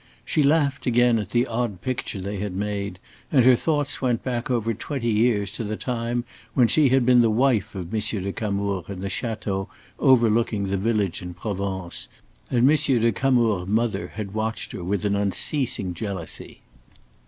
She laughed again at the odd picture they had made, and her thoughts went back over twenty years to the time when she had been the wife of M. de Camours in the château overlooking the village in Provence, and M. de Camours' mother had watched her with an unceasing jealousy.